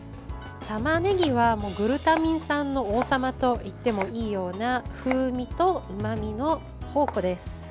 たまねぎはグルタミン酸の王様と言ってもいいような風味とうまみの宝庫です。